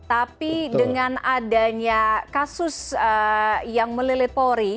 tapi dengan adanya kasus yang melilit polri